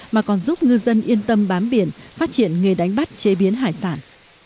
mà còn giúp ngư dân yên tâm bám biển phát triển nghề đánh bắt chế biến hải sản